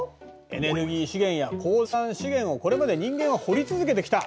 エネルギー資源や鉱山資源をこれまで人間は掘り続けてきた。